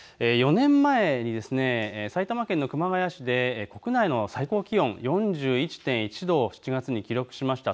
４年前に埼玉県の熊谷市で国内の最高気温、４１．１度を７月に記録しました。